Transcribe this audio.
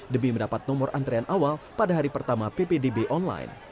demi mendapat nomor antrean awal pada hari pertama ppdb online